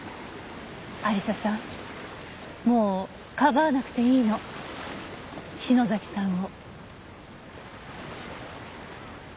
亜理紗さんもうかばわなくていいの篠崎さんを。